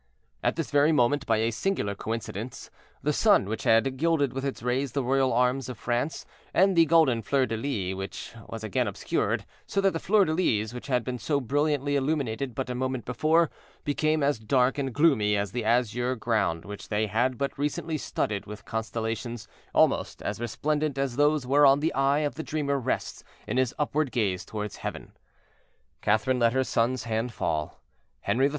At this very moment, by a singular coincidence, the sun, which had gilded with its rays the royal arms of France, and the golden fleurs de lis, was again obscured: so that the fleurs de lis which had been so brilliantly illumined but a moment before, became as dark and gloomy as the azure ground which they had but recently studded with constellations almost as resplendent as those whereon the eye of the dreamer rests in his upward gaze toward heaven. Catherine let her son's hand fall. Henri III.